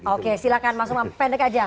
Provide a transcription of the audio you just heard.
oke silakan masuk pendek aja